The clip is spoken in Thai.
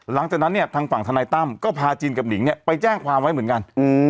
หลังจากนั้นเนี่ยทางฝั่งธนายตั้มก็พาจินกับหนิงเนี่ยไปแจ้งความไว้เหมือนกัน